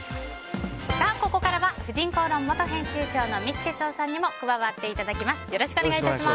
ここからは「婦人公論」元編集長の三木哲男さんにも加わっていただきます。